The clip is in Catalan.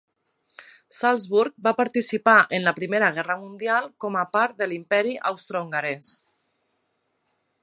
Salzburg va participar en la Primera Guerra Mundial, com a part de l'Imperi Austrohongarès.